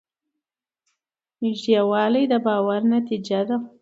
نږدېوالی د باور نتیجه ده.